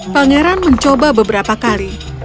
pangeran mencoba beberapa kali